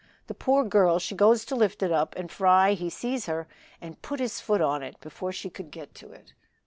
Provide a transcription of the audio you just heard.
The poor girl she goes to lift it up and Fry he sees her and put his foot on it before she could get to it."